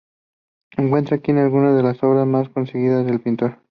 Se encuentran aquí algunas de las obras más conseguidas del pintor.